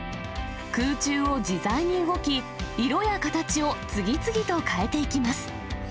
空中を自在に動き、色や形を次々と変えていきます。